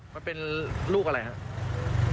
มันเป็นลูกอะไรครับ